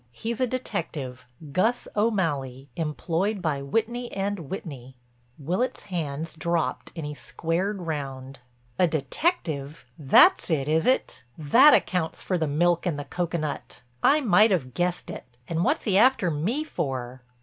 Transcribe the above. He's a detective, Gus O'Malley, employed by Whitney & Whitney." Willitts' hands dropped and he squared round: "A detective! That's it, is it? That accounts for the milk in the cocoanut. I might have guessed it. And what's he after me for?"